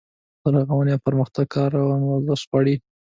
رغونې او پرمختګ کارونه روش غواړي.